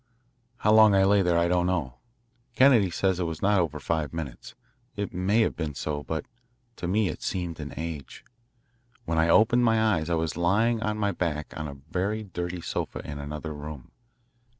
How long I lay there I don't know. Kennedy says it was not over five minutes. It may have been so, but to me it seemed an age. When I opened my eyes I was lying on my back on a very dirty sofa in another room.